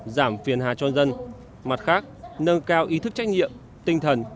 giảm phiền hà cho dân mặt khác nâng cao ý thức trách nhiệm tinh thần